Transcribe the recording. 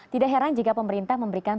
tidak heran jika pemerintah memberikan